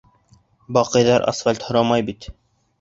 Баҡыйҙар асфальт һорамай бит.